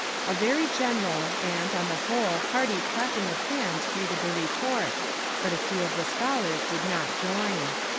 A very general, and, on the whole hearty clapping of hands greeted the report, but a few of the scholars did not join.